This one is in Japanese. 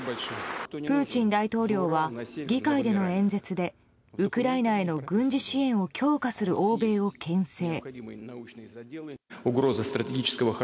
プーチン大統領は議会での演説でウクライナへの軍事支援を強化する欧米をけん制。